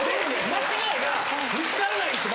間違いが見つからないんですよ